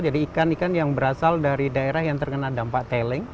jadi ikan ikan yang berasal dari daerah yang terkena dampak teling